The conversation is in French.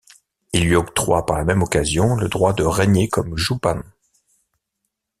Il lui octroie par la même occasion le droit de régner comme joupan.